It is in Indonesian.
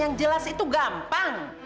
yang jelas itu gampang